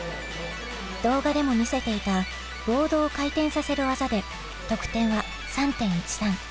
動画でも見せていたボードを回転させる技で得点は３．１３。